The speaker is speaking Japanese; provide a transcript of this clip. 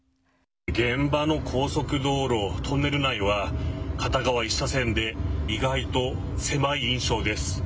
現場の高速道路、トンネル内は片側１車線で意外と狭い印象です。